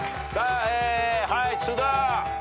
はい津田。